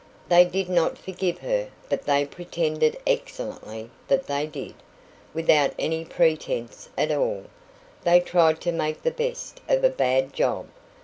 They did not forgive her, but they pretended excellently that they did. Without any pretence at all, they tried to make the best of a bad job.